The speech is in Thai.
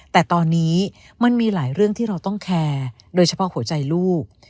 แต่ตอนนี้มันมีหลายเรื่องที่เราต้องแคร์โดยเฉพาะหัวใจลูก